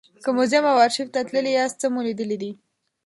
که موزیم او ارشیف ته تللي یاست څه مو لیدلي دي.